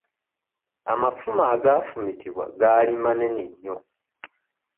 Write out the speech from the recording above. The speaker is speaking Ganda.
Amafumu agaamufumitibwa gaali manene nnyo.